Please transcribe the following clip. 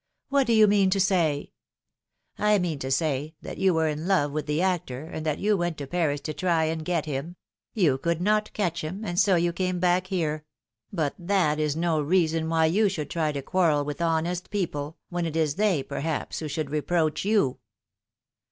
What do you mean to say ?" I mean to say, that you were in love with the actor, and that you went to Paris to try and get him ; you could not catch him, and so you came back here ; but that is no reason why you should try to quarrel with honest people, when it is they, perhaps, who should reproach you."